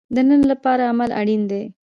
د نن لپاره عمل اړین دی